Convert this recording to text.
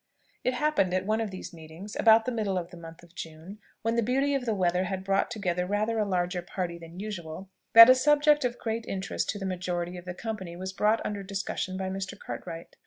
It happened at one of these meetings, about the middle of the month of June, when the beauty of the weather had brought together rather a larger party than usual, that a subject of great interest to the majority of the company was brought under discussion by Mr. Cartwright.